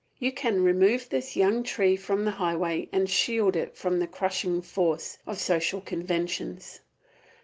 You can remove this young tree from the highway and shield it from the crushing force of social conventions.